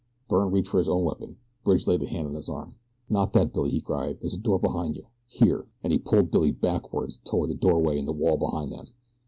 Byrne reached for his own weapon. Bridge laid a hand on his arm. "Not that, Billy!" he cried. "There's a door behind you. Here," and he pulled Billy backward toward the doorway in the wall behind them.